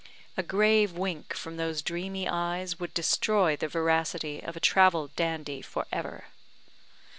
A grave wink from those dreamy eyes would destroy the veracity of a travelled dandy for ever.